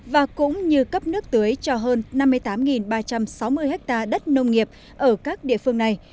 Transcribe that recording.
và cũng như cấp nước tưới cho hơn năm mươi tám ba trăm sáu mươi ha đất nông nghiệp ở các địa phương này